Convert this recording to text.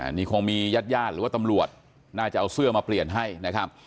นี่คงมีญาติญาติหรือว่าตำรวจน่าจะเอาเสื้อมาเปลี่ยนให้นะครับ